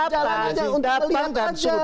jalan jalan untuk melihat saja